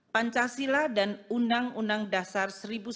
pancasila dan undang undang dasar seribu sembilan ratus empat puluh